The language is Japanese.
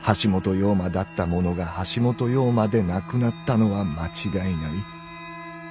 陽馬だったもの」が「橋本陽馬」でなくなったのは間違いない。